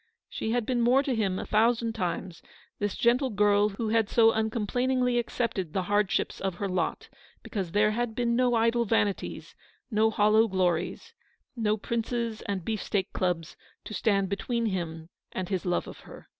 She had been more to him a thousand times, this gentle girl who had so uncomplainingly accepted the hardships of her lot, because there had been no idle vanities, no hollow glories, no Prince's and Beefsteak Clubs, to stand between him and his love of her.